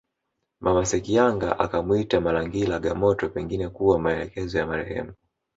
Mama Sekinyaga akamwita Malangalila Gamoto pengine kwa maelekezo ya marehemu